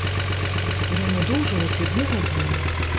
Яно доўжылася дзве гадзіны.